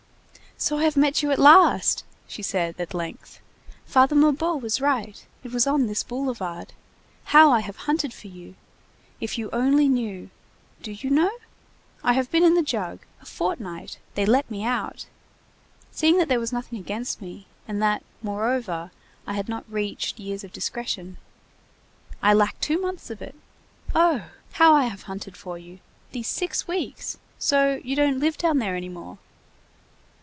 "So I have met you at last!" she said at length. "Father Mabeuf was right, it was on this boulevard! How I have hunted for you! If you only knew! Do you know? I have been in the jug. A fortnight! They let me out! seeing that there was nothing against me, and that, moreover, I had not reached years of discretion. I lack two months of it. Oh! how I have hunted for you! These six weeks! So you don't live down there any more?"